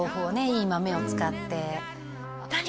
いい豆を使って何？